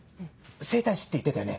整体師って言ってたよね